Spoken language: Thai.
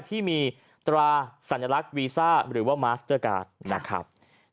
ที่มีตราสัญลักษณ์วีซ่าหรือว่ามาสเตอร์การ์ดนะครับ